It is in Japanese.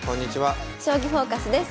「将棋フォーカス」です。